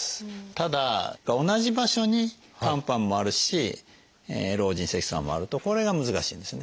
ただ同じ場所に肝斑もあるし老人性色素斑もあるとこれが難しいんですね。